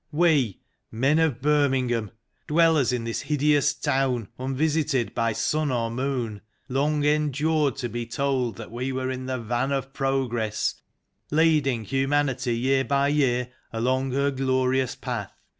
We, men of Birmingham, dwellers in this hideous town unvisited by sun or moon, long endured to be told that we were in the van of progress, leading Humanity year by year along her glorious path.